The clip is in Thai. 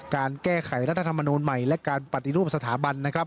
การแก้ไขรัฐธรรมนูลใหม่และการปฏิรูปสถาบันนะครับ